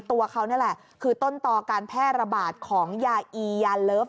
ตัวเขานี่แหละคือต้นต่อการแพร่ระบาดของยาอียาเลิฟ